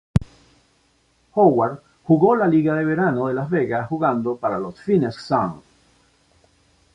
Howard jugó la liga de verano de Las Vegas, jugando para los Phoenix Suns.